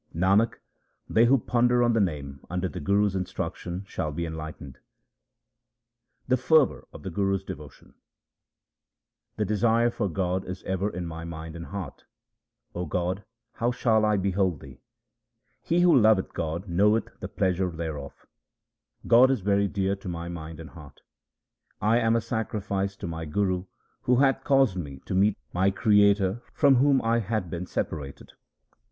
Nanak, they who ponder on the Name under the Guru's instruction shall be enlightened. THE SIKH RELIGION The fervour of the Guru's devotion :— The desire for God is ever in my mind and heart ; O God, how shall I behold Thee ? He who loveth God knoweth the pleasure thereof ; God is very dear to my mind and heart. I am a sacrifice to my Guru who hath caused me to meet my Creator from whom I had been separated.